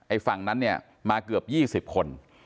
ฝั่งนั้นเนี่ยมาเกือบ๒๐คน